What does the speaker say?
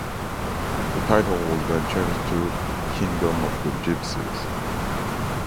The title was then changed to "Kingdom of the Gypsies".